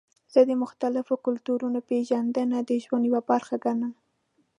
زه د مختلفو کلتورونو پیژندنه د ژوند یوه برخه ګڼم.